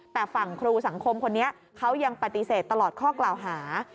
แต่ฝั่งครูสังคมคนนี้เขายังปฏิเสธตลอดข้อกล่าวหา